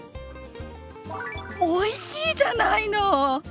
おいしいじゃないの！